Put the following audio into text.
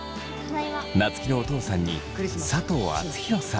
夏樹のお父さんに佐藤アツヒロさん。